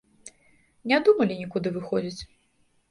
Не думалі нікуды выходзіць.